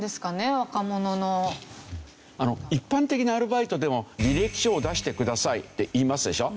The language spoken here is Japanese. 一般的なアルバイトでも「履歴書を出してください」って言いますでしょ？